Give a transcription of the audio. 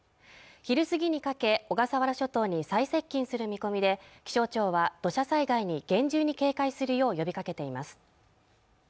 昼過ぎにかけ小笠原諸島に最接近する見込みで気象庁は土砂災害に厳重に警戒するよう呼びかけています